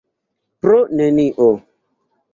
Pro nenio.